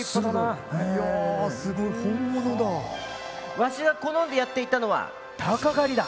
わしが好んでやっていたのは鷹狩りだ。